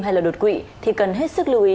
hay là đột quỵ thì cần hết sức lưu ý